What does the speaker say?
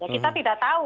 kita tidak tahu